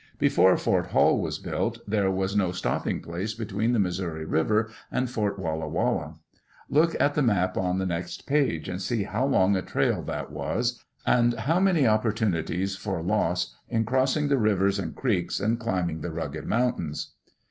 Before Fort Hall was built there was no stopping place between the Missouri River and Fort Walla Walla. Look at the map on the next page and see how long a trail that was, and how many opportunities for loss in crossing the rivers and creeks and climbing the rugged mountains.